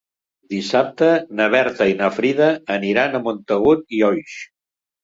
Dissabte na Berta i na Frida aniran a Montagut i Oix.